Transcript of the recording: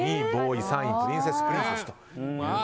２位、ＢＯＯＷＹ３位、プリンセスプリンセス。